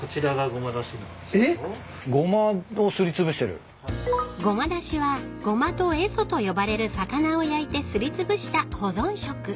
［ごまだしはゴマとエソと呼ばれる魚を焼いてすりつぶした保存食］